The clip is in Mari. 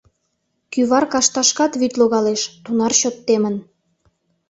Кӱвар кашташкат вӱд логалеш, тунар чот темын.